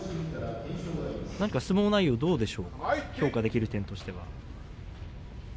何か相撲内容、どうでしょうか評価できる点としては。